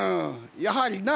やはりな。